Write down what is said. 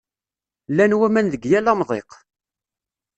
Llan waman deg yal amḍiq.